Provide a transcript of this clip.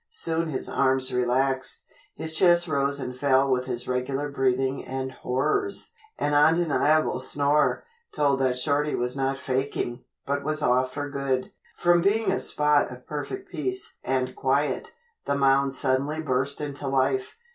Soon his arms relaxed, his chest rose and fell with his regular breathing and horrors! an undeniable snore told that Shorty was not "faking," but was off for good. From being a spot of perfect peace and quiet, the mound suddenly burst into life.